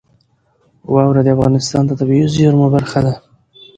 واوره د افغانستان د طبیعي زیرمو برخه ده.